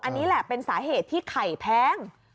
อันนี้แหละเป็นสาเหตุที่ไข่แพง